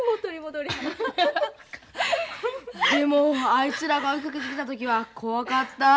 でもあいつらが追いかけてきた時は怖かった。